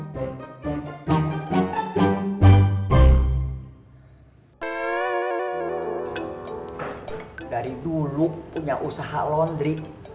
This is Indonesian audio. dari dulu punya usaha laundry